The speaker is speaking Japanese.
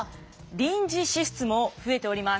臨時支出も増えております。